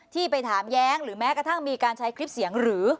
ที่ไปถามแย้งหรือแม้กระทั่งมีการใช้คลิปเสียงหรือ